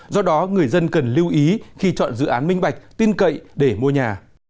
do đó người dân cần lưu ý khi chọn dự án minh bạch tin cậy để mua nhà